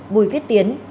bùi viết tiến